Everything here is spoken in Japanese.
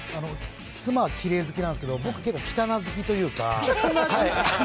妻はきれい好きなんですけど僕はきたな好きというか。